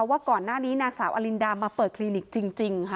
ว่าก่อนหน้านี้นางสาวอลินดามาเปิดคลินิกจริงค่ะ